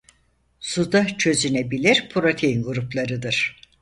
Suda çözünebilir protein gruplarıdır.